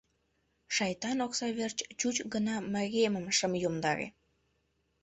Шайтан окса верч чуч гына мариемым шым йомдаре.